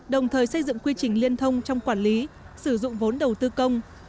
đồng thời xây dựng quy trình liên thông trong quản lý sử dụng vốn đầu tư công